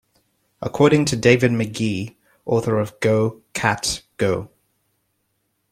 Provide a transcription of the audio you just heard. According to David McGee, author of Go, Cat, Go!